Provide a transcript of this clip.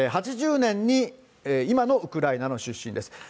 ８０年に、今のウクライナの出身です。